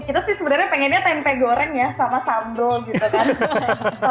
itu sih sebenarnya pengennya tempe goreng ya sama sambal gitu kan